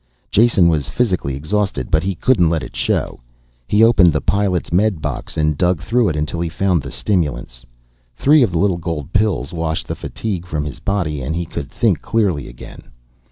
Jason was physically exhausted, but he couldn't let it show. He opened the pilot's medbox and dug through it until he found the stimulants. Three of the little gold pills washed the fatigue from his body, and he could think clearly again.